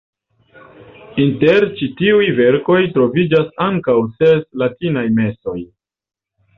Inter ĉi tiuj verkoj troviĝas ankaŭ ses latinaj mesoj.